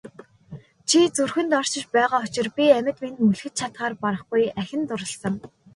Чи зүрхэнд оршиж байгаа учир би амьд мэнд мөлхөж чадахаар барахгүй ахин дурласан.